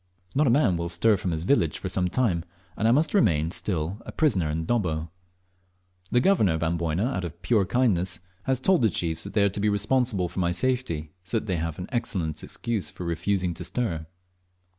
Not a man will stir from his village for some time, and I must remain still a prisoner in Dobbo. The Governor of Amboyna, out of pure kindness, has told the chiefs that they are to be responsible for my safety, so that they have au excellent excuse for refusing to stir.